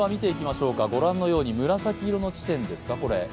ご覧のように紫色の地点ですか、これ。